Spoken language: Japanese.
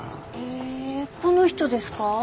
へえこの人ですか？